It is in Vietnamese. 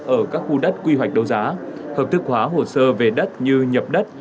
ở các khu đất quy hoạch đấu giá hợp thức hóa hồ sơ về đất như nhập đất